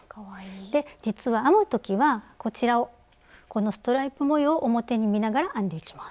で実は編む時はこちらをこのストライプ模様を表に見ながら編んでいきます。